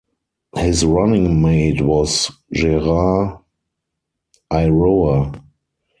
His running mate was Gerard Iroha.